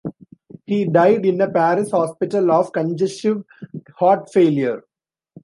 He died in a Paris hospital of congestive heart failure.